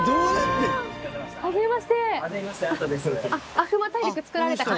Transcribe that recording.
アフマ大陸作られた方？